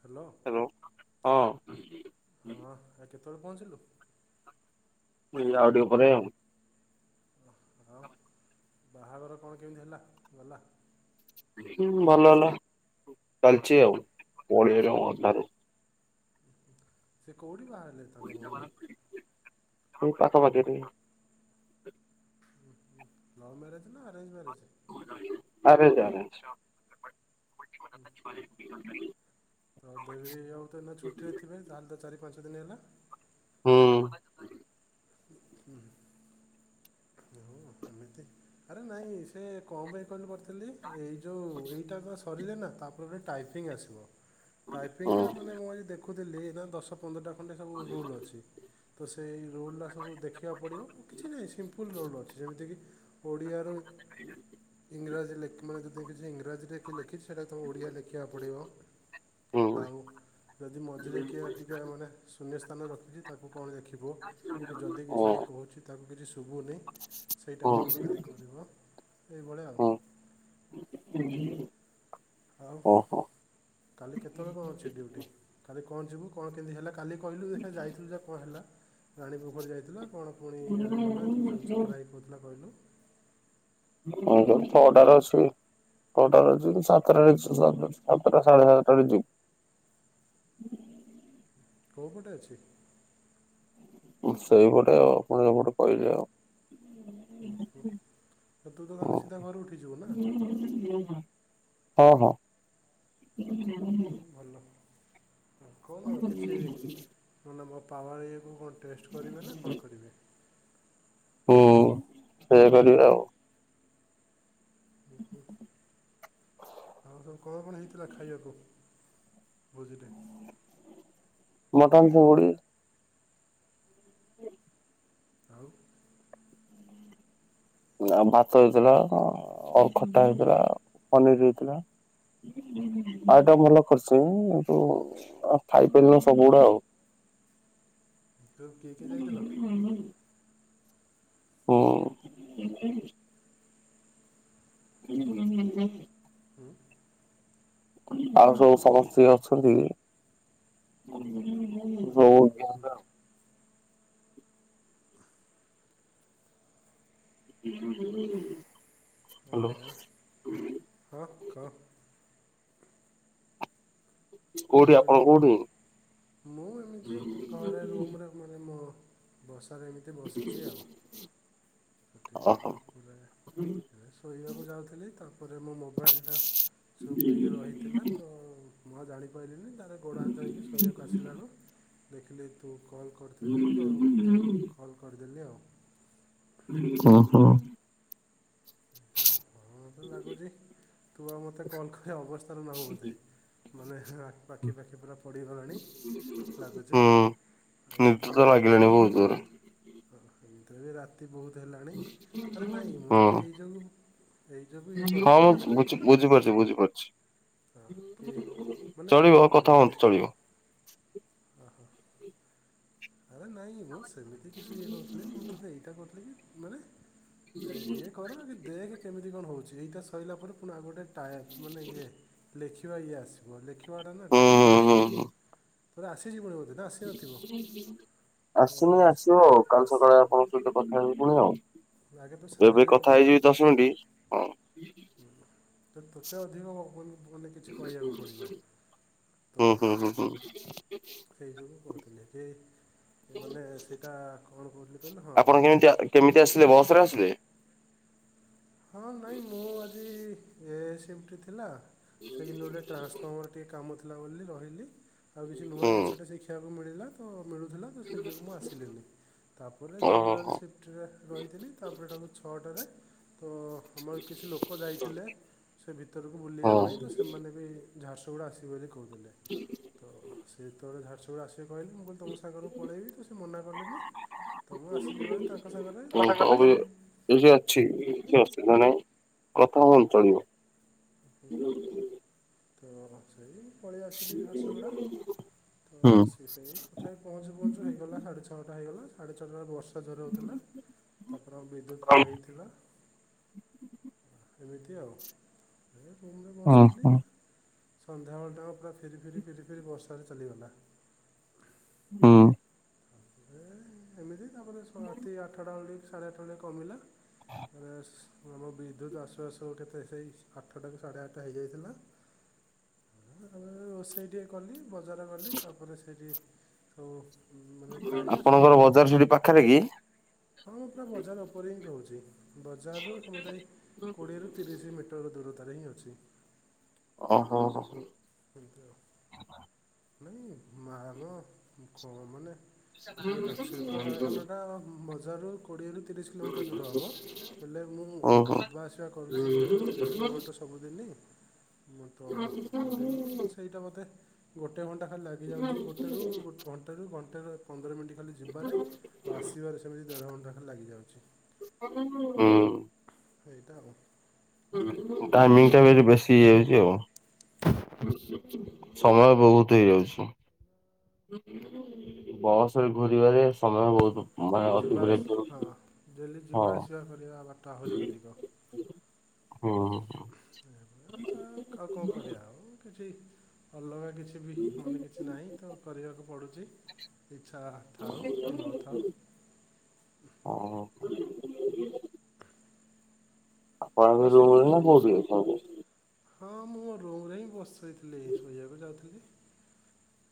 Hello. ହଁ। ହଁ ଆଉ କେତେବେଳେ ପହଞ୍ଚିଲୁ? ଆଉ ଟିକେ ପରେ ଆଉ। ଓହୋ। ବାହାଘର କଣ କେମିତି ହେଲା ଗଲା ହୁଁ ଭଲ ହେଲା ଚାଲିଛି ଆଉ [inaudible] ସେ କଉଠି ବା ଲିତା ର ଭଉନି ଆ କ [inaudible] ଲଭ୍ ମ୍ୟାରେଜ ନା ଆରେଞଜ ମ୍ୟାରେଜ ଆରେଞ୍ଜା ଆରେଞ୍ଜ ତ ଦେବି ଆଉ ତ ଏ ଛୁଟିରେ ଥିବେ ତାହେଲେ ତ ଚାରି ପାଞ୍ଚ କେତେ ଦିନି ହେଲା ହୂଁ ହୁଁ ଏମିତି ଆରେ ନାଇଁ ସେ କମ ପାଇଁ କହିଲ ଥିଲ ଏଇ ଯୋଉ ଏଇଟା କଣ ସରିଲେ ନା ତାପରେ ଟାଇପିଙ୍ଗ ଆସିବ ହୁଁ ତାପିଙ୍ଗ ଟା ମାନେ ମୁଁ ଆଜି ଦେ ଦେଖୁଥିଲି ନା ଦଶ ପନ୍ଦରଟା ଖଣ୍ଡେ ସବୁ ରୁଲ୍ ଅଛି ତ ସେଇ ରୋଲଟା ସବୁ ଦେଖିବାକୁ ପଡ଼ିବ କିଛି ନାହିଁ ସିମ୍ପଲ୍ ରୋଲ୍ ଅଛି ଯେମିତିକି ଓଡ଼ିଆ ରୁ ଇଂରାଜୀ ଲେଖ [inaudible] ଇଂରାଜୀରେ କିଏ ଲେଖିଛି ସେଇଟା ତ ଓଡ଼ିଆ ଲେଖିବାକୁ ପଡ଼ିବ ହୁଁ ଆଉ ଯଦି ମଝିରେ କିଏ ଟିକେ ମାନେ ଶୂନ୍ୟ ସ୍ଥାନ ରଖିଛି ତାକୁ କଣ ଲ ଦେଖିବ କି ଯଦି ଓ କିଛି କିଏ କହୁଛି ତାକୁ କିଛି ଶୁୁବୁନି ସେଇଟା ଓ କଣ କେମିତି କରିବ? ଏଇଭଳିଆଉ ଓ ହୋ କାଲି କେତେବେଳେ କଣ ଅଛି ଡ୍ୟୁଟି କାଲି କଣ ଯିବୁ କଣ କେମିତି ହେଲା କାଲି କହିଲୁ ଯାଇଥିଲୁ ଯା କଣ ହେଲା ରାଣୀପୋଖରୀ ଯାଇଥିଲୁ ପୁଣି ଆଡେ ଗଲା ଚକରା ଭାଇ କହୁଥିଲା କହିଲୁ ଛଅଟାରେ ଅଛି ଛଅଟାରେ ଅଛି ସାତଟାରେ ସାତଟା ସାଢେ ସାତଟାରେ ଯିବି କୋଉପଟେ ଅଛି ସେଇପଟେ ଆଉ ଆପଣ ସେପଟେ କହିଲେ ଆଉ ତୁ ତ ହଁ କାଲି ସିଧା ଘରୁ ଉଠି ଯିବୁ ନା ହଁ ହଁ ହ ଭଲ କଣ କିଛି ମାନେ ପାୱାର ଇକୁ କର ଟେଷ୍ଟ କରିବେ ନା କଲ୍ କରିବେ। ହୁଁ ସେଇଆ କରିବା ଆଉ ହୁ ହୁଁ। କଣ ହେଇଥିଲା ଖାଇବାକୁ ଫୋଜି ରେ ମଟନ ଚିଗୁଡ଼ି। ହୁଁ। ଆଉ ଆ ଭାତ ହେଇଥିଲା ଅରଖଟା ହେଇଥିଲା ପନିରି ହେଇଥିଲା ଆ ଏଟା ଭଲ କରିଛି କିନ୍ତୁ ଖାଇପାରିଲି ନି ସବୁଗୁଡା ଆଉ। ସବୁ କିଏ କିଏ ଯାଇଥିଲ? ହୁଁ। ହଁ। ହୁଁ ହୁଁ ହ। ହୁଁ। ଆଉ ସବୁ ସମସ୍ତ ଅଛନ୍ତି ହଉ ସବୁ। ହ୍ୟାଲୋ। ଆଉ ହଁ କ। ମୁଁ କୋଉଠି ଆପଣ କହିଲି କୋଉଠି? ମୁଁ ଏମିତି ଘରେ ରୁମ୍ରେ ମାନେ ମୋ ବସ୍। ସଗୟମୀତି ବସିଛି ଆଉ ସେ ଓହୋ। ତାପରେ ଶୋଇବାକୁ ଯାଉଥିଲି ତାପରେ ମୋ ମୋବାଇଲଟା ସୁପ୍ ହେକି ରହିଥିଲା ତ ମୁଁ ଜାଣିପାରିଲିନି। ଗୋଡ଼ ହାତ ହୋଇକି ଶୋଇବାକୁ ଆସିଲା ବେଳୁ ଦେଖିଲେ ତୁ କଲ୍ କରିଥିଲୁ ତ ମୁଁ ତୋତେ କଲ୍ କରିଦେଲି ଆଉ କହ। କଣ ଲାଗୁଛି। ତୁ ଆଉ ମତେ କଲ କ ଅବସ୍। ତର ନା ବୋତେ ମାନେ ପାଖି ପାଖି ପା ପଡ଼ିଗଲାଣି ଲାଗୁଛି ହୁଁ ନିଦ ଏମିତି ତ ବହୁତ ଲାଗିଲାଣି ଜୋରେ ହ [unintelligible] ଏ ବହୁତ ହେଲାଣି ଆରେ ନାଇଁ ମୁଁ ତ ହୁଁ ତ ଏ। ହଁ ମୁଁ ବୁ ବୁଝିପାରୁଛି। ହଁ କି ବୁଝିପାରୁଛଛି। ମାନେ ଚଳିବ କଥା ଦେ ହୁଅନ୍ତୁ ଚଳିବ ଓହୋ ଆରେ ନାଇଁ ମୁଁ ସେମିତି କିଛି ଇଏ କରୁଥିଲି ମୁଁ ତୋତେ ଏଇଟା କଥିଲ କି? ମାନେ ଇଏ କର କି ଦେହଖ କେମିତି କଣ ହଉଛି ସେଇଟା ସରିଲା ପରେ ପୁଣି ଆ ଗୋଟେ ଟାଇପ ମାନେ ଯେ ଲେଖିବା ଇଏ ଆସିବ ଲେଖିବା ୱାଡ଼ ନା ହୁଁ ଟିକେ ହୁଁ ଫାଷ୍ଟ ହୁଁ ଫାଷ୍ଟ୍ ହୁଁ। ତୋର ଆସିଯିବନି ନା ଆସି ନଥିବ। ଆସନି ଆସିବ ଆଉ କାଲି ଆସ, ସକାଳେ ଆପଣଙ୍କ ସହିତ କଥା ହେବି ପୁଣି ଆଉ। ଆଗେ ତୁ ଏବେ କଥା ହେଇଯିବି ଦଶ ମିନିଟ ହଁ। ହୁଁ ତତ ଅଧିକ ହବ ତ ହୁଁ ହୁଁ ହୁଁ ହୁଁ। ସେଇ ସବୁ କହୁଥିଲେ କି ମାନେ ସେଇଟା କଣ କହୁଥିଲି କହିଲେ ହଁ ଆପଣ ଚା ଲେଖି କେମିତି କେମିତି ଆସିଲେ ବସ ରେ ଆସିଲେ ହଁ ନାଇଁ ମୁଁ ଆଜି ଏ ସିମିଟି ଥିଲା। ସେ ଦିନ ଗୋଟେ ଟ୍ରାସଫର୍ମର ଟେ କାମ ବଲା ବି ରହିନି ଆଉ କିଛି ନୂଆ ହୁଁ ଜିନିଷଟା ଶଖଷଆ ମିଳିଲା ତ ମିଳୁଥିଲା ତ ସେଇ ଯୋଗୁଁ ମୁଁ ଆସିଲିନି ତାପରେ ଓହୋ ଜେନେରାଲ୍ ସିଫ୍ଟରେ ରହିଥିଲି ତାପରେ ତାକୁ ଛଅଟାରେ ତ ଆମର କିଛି ଲୋକ ଯାଇଥିଲେ ସେ ଭିତରକୁ ବୁଲିବା ହଁ। ପାଇଁ ତ ସେମାନେ ବି ଝାରସୁଗୁଡା ଆସିବେ ବୋଲି କୋହୁଥିଲେ ସେ ଯେତେବେଳେ ଝାରସୁଗୁ ସୁରସ ସେ କହିଲି ମୁଁ କହିଲି ତୁମ ସାଙ୍ଗକୁ ପଳେଇବି ତ ସେ ମନା କଲେନି ତ ମୁଁ ଆସିଲି ଭ ତାଙ୍କ ସାଙ୍ଗରେ ହୁଁ ତ ବି ତଥାପି ଏ ଯଉ ଅଛି କିଛି ଅସୁବିଧା ନାହିଁ କଥା ହୁଅନ୍ତୁ ଚଲିବ। ହୁଁ ହୁଁ। ତ ଅଛ କି? ପଳେଇ ଆସିଲି ଝାରସୁଗୁଡ଼ା ତ ହୁଁ ସେ ସେଇ ତଥାପି ପହଞ୍ଚୁ ପହଞ୍ଚୁ ହେଇଗଲା ସାଢ଼େ ଛଅଟା ହେଇଗଲା। ଆଡ଼େ ଚଲ ବର୍ଷ ବର୍ଷା ଜୋରରେ ହୋଉଥିଲା ତାପରେ ବିଦ୍ୟୁତ ପଳେଇଥିଲେ। ଏମିତି ଆଉ। ଏ ରୁମରେ ହୁଁ ବସିଥିଲି। ହୁଁ ସନ୍ଧ୍ୟାବେଳଟା ପୁରା ଫିରି ଫିରି ଫିରି ଫିରି ବର୍ଷା ରେ ଚାଲିଗଲା। ହୁଁ। ଏ ଏମିତି। ତାପରେ ରାତି ଆଠଟା ବେଳେ ସାଢ଼େ ଆଠଟା ବେଳେ କମିଲା ଆମ ବିଦ୍ୟୁତ ଆସୁ ଆସୁ କେତେ ସେଇ ଆଠଟାରୁ ସାଢ଼େ ଆଠଟା ହେଇଯାଇଥିଲା। ହଁ ରୋଷେଇ ଟିକେ କଲି। ବଜାର ଗଲି ତାପରେ ସେଇଠି ହଉ। ଆପଣଙ୍କର ବଜାର ସେଠି ପାଖରେ କି? ହଁ ମୁଁ ପୁରା ବଜାର ଉପରେ ହିଁ ରହୁଛି। ଯେ। ବଜାରରୁୁ ସମୁଦାୟ କୋଡିଏରୁୁ ତିରିଶ ମିଟର ଦୂରତା। ତାର ହିଁ ଅଛି। ଓ ହୋ ହ ହୋ। ନାଇଁ ମାମ ଖ ମାନେ [unintelligible] ଏ ତ ଶିଳ୍ପ କାରଖାନାଟା ମ ଯା ରୁକ୍। କୋଡ଼ିଏରୁ ତିରିଶ କିଲୋମିଟର ଦୂର ହେବ ହେଲେ ମୁଁ ଓହୋ। ଯିବା ଆସିବା କରୁଛି କୋଡ଼ିଏରୁ ତିରିଶ କିଲୋମିଟର ସବୁଦିନ। ମୁଁ ତ ଆ ଆ। ଡେଲି ତ ସେଇଟା ମୋତେ ଗୋଟେ। ଗୋଟଏ ଘଣ୍ଟା ଖାଲି ଲାଗିଯାଉଛି ଗୋଟେରୁ ଘଣ୍ଟେରୁ ଘଣ୍ଟେ ପନ୍ଦର ମିିନଟ ଖାଲି ଯିବାରେ ଆ ଆସିବାରେ ସେମିତି ଦେଢ ଘଣ୍ଟା ଖାଲି ଲାଗି ଯାଉଛି ହୁଁ ସେଇଟା ହ ଟାଇମିଂ ଟା ବେଶୀ ହେଇଯାଉଛି ଆଉ। ସମୟ ବହୁତ ହେଇଯାଉଛି। ବସରେ ଘୁରିବାରେ ସମୟ ବହୁତ, ମାନେ ଯିବା ଆସ ଅତିବାହିତ ହଉଛି ହଁ ଡେଲି ହଁ ଯିବା ଆସିବା କରିବା ବା ଆହୁରି ଅଧିକ। ହୁଁ। ଆଉ କଣ କରିବା ଆଉ କିଛି, ଭଲରେ, କିଛି ବି ମାନେ କିଛି ନାହିଁ ତ କରିବାକୁ ପଡ଼ୁଛି। ଇଚ୍ଛା ଥାଉ କି ନ ଥାଉ [unintelligible] ଆପଣ ଆଉ ଆ ସେ ରୁମ ରେ ନା କୋଉଠି ଅଛି। ହଁ ମୁଁ ମୋ ରୋମରେ ହିଁ ବସିଛି। ଶୋଇଥିଲି ଶୋଇବାକୁ ଯାଉଥିଲି।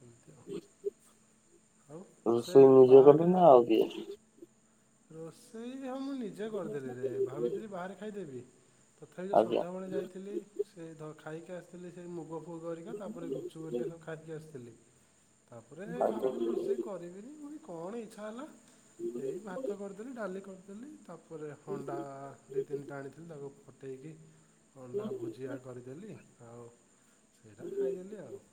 ଏମିତି ଆଉ ଆଉ ସେ ରଷୋଇ ନିଜେ ପାର୍କ କରିବ ଯେଉଁଟା ନା ଆଉ କି? ରୋଷେଇ ହଁ ମୁଁ ନିଜେ କରିଦେଲି ରେ ଭାବିଥିଲି ବାହାରେ ଖାଇଦେବି। ତଥାପି ଯେଉଁ ଆଜ୍ଞା ସନ୍ଧ୍ୟାବେଳେ ଯାଇଥିଲି ସେ ଖାଇକି ଆସିଥିଲି ସେ ମୁଗ ପୁଅ କରିକା ତାପରେ ଗୁଚୁ କରିକା ସବୁ ଖାଇକି ଆସିଥିଲଥିଲେ। ତାପରେ ଭାବୁଥିଲି ରୋଷେଇ କରିବିନି ପୁଣି କଣ ଇଚ୍ଛା ହେଲା। ଏଇ ଭାତ ଡାଲି କରିଦେଲି ତାପ ପରେରେ ହଣ୍ଡା ଦୁଇ ତିନିଟା ଆଣିଥିଲି ତାକୁ ଦେଇକି ଅଣ୍ଡା ଭୁଜିଆ କରିଦେଲି। ଆଉ। ସେଇଟା ଖାଇଦେଲି ଆଉ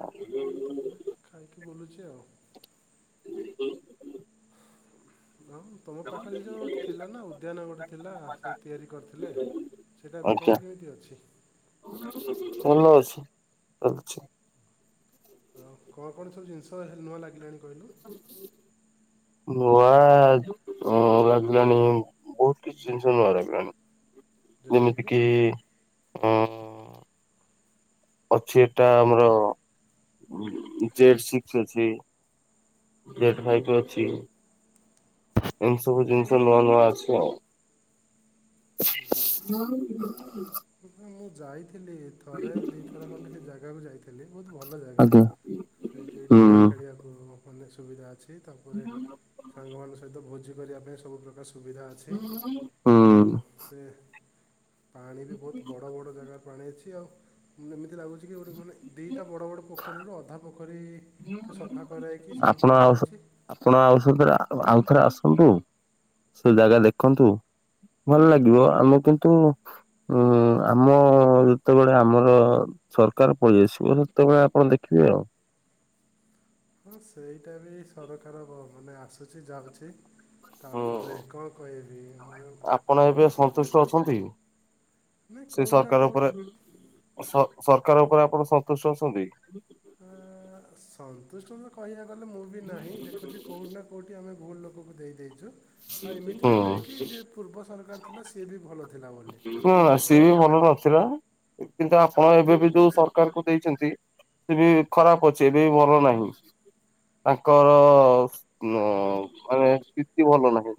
ଆ। ଏମିତି ଆଉ ତାପରେ ଖାଇକି [inaudible] [inaudible] ଆଉ ତମ ପାଖରେ ଯୋଉ ଗୋଟେ ଥିଲା ନା ଉଦ୍ୟାନ ଗୋଟେ ଥିଲା ସେ ତିଆରି କରିଥିଲେ ସେଇଟା ଏବେ ଆଜ୍ଞା କଣ କେମିତି ଅଛି? ଆଚ୍ଛା ତ ହେ ନୂଆ ଲାଗିଲାଣି। କହିଲୁ [inaudible] ନୂଆ ଲାଗିଲାଣି ବହୁତ କିଛି ଜିନିଷ ନୂଆ ଲାଗିଲାଣି। ଜେମିତିକି ଯେମିତିକି ହଁ ଅଛି ଏଟା ଆମର ଜେଟ ସିକ୍ସ ଅଛି ଜେଟ ଫାଇପ ଅଛି ଏମିତି ସବୁ ଜିନିଷ ନୂଆ ନୂଆ ଅଛି ଆଉ। ମୁଁ ଯାଇ ଥିଲି ଥରେ ଦିଥର ଖଣ୍ଡେ ସେ ଜାଗାକୁ ଯାଇଥିଲି। ବହୁତ ଭଲ ଜାଗା ଆଜ୍ଞା। ସେଇଠି ଡଙ୍ଗା ହୁଁ ଖେଳିବାକୁ ଅନେକ ସୁବିଧା ଅଛି। ତାପରେ ସାଙ୍ଗମାନଙ୍କ ସହିତ ଭୋଜି କରି ଆମେ ସବୁ ପ୍ରକାର ସୁବିଧା ଅଛି ହୁଁ ଆଉ ସେ ପାଣି ବି ବହୁତ ବଡ଼ ବଡ଼ ଜାଗା ପାଣି ଅଛି ଆଉ ଏମିତି ଲାଗୁଚି [unintelligible] ଦିଟା ବଡ ବଡ ପୋକ କଡେଇର ଅଧା କ ଆପଣ ଆଉସ କରାହେଇଛି। ଆପଣ ଆଉସନ୍ତି ନା? ଆଉଥରେ ଆସନ୍ତୁ ସେ ଜାଗା ଦେଖନ୍ତୁ ଭଲ ଲାଗିବ ଆମେ କିନ୍ତୁ ଉଁ ଆମ ଯେତେବେଳେ ଆମର ସରକାର ପଳେଇଆସିବ ସେତେବେଳେ ଆପଣ ଦେଖିବେ ଆଉ। ହଁ ସେଇଟା ବି ସରକାର ମାନେ ଆସୁଛି ଯାଉଛି। ହୁଁ ତାପରେ କଣ କହିବି ମାନେ ଆପଣ ଏବେ ସନ୍ତୁଷ୍ଟ ଅଛନ୍ତି ନାଇଁ ସେ କୋଉଠି ନା ସରକାର କୋଉଠି ଉପରେ ସ ସରକାର ଉପରେ ଆପଣ ସନ୍ତୁଷ୍ଟ ଅଛନ୍ତି? ଆ ସନ୍ତୁଷ୍ଟ ତ କହିବାକୁ କହିଲେ ମୁଁ ବି ନାହିଁ ଦେଖୁଛି କୋଉଠି ନା କୋଉଠି ଆମେ ଭୁଲ ଲୋକଙ୍କୁ ଦେଇ ଦେଇଦେଇଛୁ। ହଁ ଏମିତି ବି ନୁହେଁ ହୁଁ। କି ଯି ପୂର୍ବ ସରକାର ଥିଲା ସିଏ ବି ଭଲ ଥିଲା। ବୋଲି ମଲା ପୂର୍ବ ସିଏ ବି ଭଲ ନଥିଲା। କିନ୍ତୁ ଆପଣ ଏବେ ବି ଯୋଉ ସରକାରଙ୍କୁ ଦେଇଚନ୍ତି ସେ ବି ଖରାପ ଅଛି ଏବେ ବି ଭଲ ନାହିଁ ତାଙ୍କର ମାନେ ସ୍ଥିତି ଭଲ ନାହିଁ।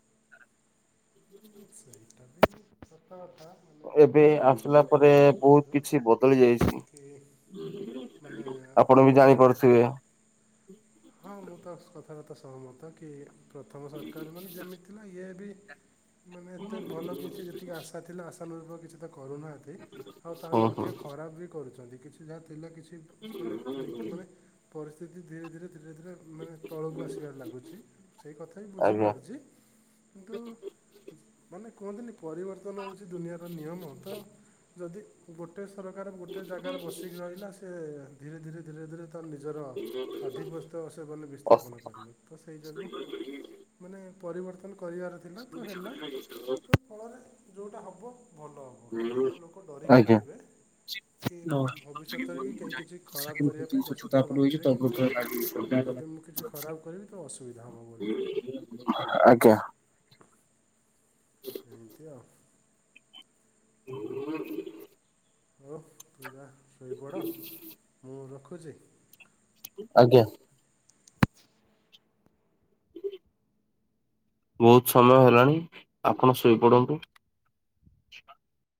ହୁଁ ସେଇଟା ବି ସତ ମାନେ ଏବେ ଆସିଲା ପରେ ଯେଉଁଟା ବହୁତ କହୁଛୁ କିଛି ବଦଳି ଯାଇଛି କି ମାନେ ଆପଣ ଆଗ ବି ସର ଜାଣିପାରୁଥିବେ ହଁ ମୁଁ ତ କଥାବାର୍ତା ସହ ମତ କି ପ୍ରଥମ ସରକାର ମାନେ ଯେମିତି ଥିଲା ଇଏ ବି ମାନେ ଏତେ ଭଲ କିଛି ଯେତିକି ଆଶା ଥିଲା ଆଶାାନୁରୂକ କିଛି କରୁନାହାନ୍ତି ଆଉ ତାଠୁ ହୁଁ ହୁଁ। ଅଧିକ ଖରାପ ବି କରୁଛନ୍ତି କିଛି ଯାହା ଥିଲା କିଛି ମାନେ ମାନେ ପରିସ୍ଥିତି ଧୀରେ ଧୀରେ ଧୀରେ ଧୀରେ ମାନେ ତଳକୁ ଆସିବାରେ ଲାଗୁଛି ସେଇ କଥା ବି ଆଜ୍ଞା ବୁଝିପାରୁଛି କିନ୍ତୁ ମାନେ କୁହନ୍ତିନି ପରିବର୍ତ୍ତନ ହୋଉଚି ଦୁନିଆର ନିୟମ ତ ଯଦି ଗୋ ଗୋଟିଏ ସରକାର ଗୋଟେ ଜାଗାରେ ବସିକି ରହିଲା ସେ ଧୀରେ ଧୀରେ ଧୀରେ ଧୀରେ ନିଜର ଆଧିପସ୍ ସେବନ ବିସ୍ଥାପନା କରିବେ ତ ସେଇ ଯୋଗୁ ମାନେ ପରିବର୍ତ୍ତନ କରିବାର ଥିଲା ତ ହେଲା ତ ଫଳରେ ଯୋଉଟା ହବ ଭଲ ହବ କି ଦିଜଣ ଲୋକ ଡରିକି ଆଜ୍ଞା ରହିବେ କି ଭବିଷ୍ୟତରେ କି କେହି କିଛି ଖରାପ କରିବା ପାଇଁ ଦଶ ଥର ଭାବିବେ କି ନାଇଁ ଯଦି ମୁଁ କିଛି ଖରାପ କରିବି ତ ଅସୁବିଧା ହବ ବୋଲି। ଆଜ୍ଞା ଏମତି ଆଉ। ହ ଓ ଯା ଶୋଇପଡ଼ ମୁଁ ରଖୁ କୁଯେଇ ଆଜ୍ଞା। ବୋହୁତ ସମୟ ହେଲାଣି ଆପଣ ଶୋଇପଡ଼ନ୍ତୁ।